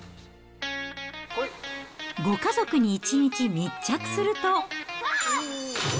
ご家族に一日密着すると。